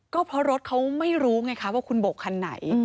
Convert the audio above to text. ก็เพราะรถเขาไม่รู้ไงคะว่าคุณโบกคันไหน